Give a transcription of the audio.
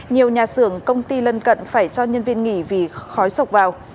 nhiều nhà xưởng công ty lân cận phải cho nhân viên nghỉ vì khói sộc vào